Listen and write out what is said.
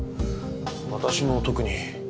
私も特に。